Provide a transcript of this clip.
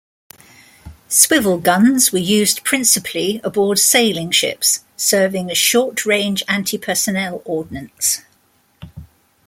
Swivel guns were used principally aboard sailing ships, serving as short-range anti-personnel ordnance.